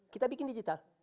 kita bikin digital